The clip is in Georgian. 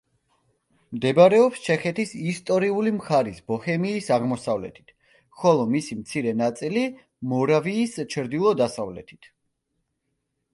მდებარეობს ჩეხეთის ისტორიული მხარის ბოჰემიის აღმოსავლეთით, ხოლო მისი მცირე ნაწილი მორავიის ჩრდილო-დასავლეთით.